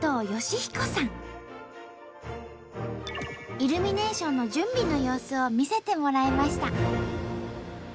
イルミネーションの準備の様子を見せてもらいました。